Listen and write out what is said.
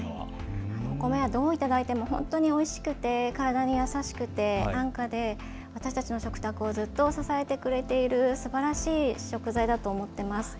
お米はどう頂いても本当においしくて体に優しくて安価で私たちの食卓をずっと支えてくれているすばらしい食材だと思っています。